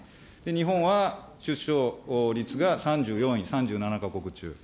日本は出生率が３４位、３７か国中。